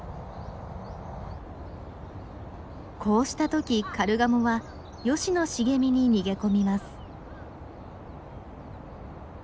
こうした時カルガモはヨシの茂みに逃げ込みます。